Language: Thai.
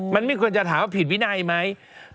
มันไม่ควรจะถามว่าผิดวินัยไหม